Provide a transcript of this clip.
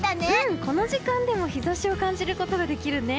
この時間でも日差しを感じることができるね。